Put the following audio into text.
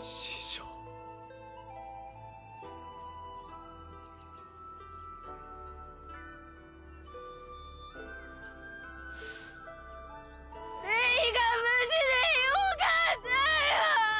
師匠レイが無事でよかったよ！